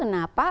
jadi apa nih